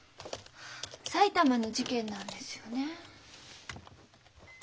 埼玉の事件なんですよね？